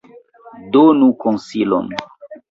Donu konsilon!